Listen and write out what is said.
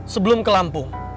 sebelum ke lampung